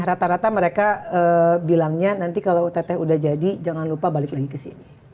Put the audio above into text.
rata rata mereka bilangnya nanti kalau ott udah jadi jangan lupa balik lagi ke sini